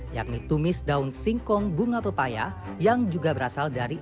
yakni tumis daun singkong bunga pepaya yang juga berasal dari